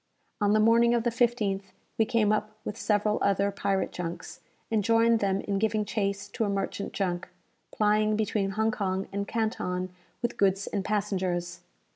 On the morning of the 15th, we came up with several other pirate junks, and joined them in giving chase to a merchant junk, plying between Hong Kong and Canton with goods and passengers.